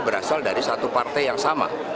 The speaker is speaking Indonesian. berasal dari satu partai yang sama